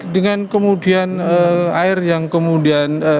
dengan kemudian air yang kemudian